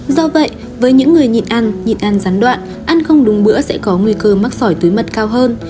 do vậy với những người nhịn ăn nhịn ăn gián đoạn ăn không đúng bữa sẽ có nguy cơ mắc sỏi túi mật cao hơn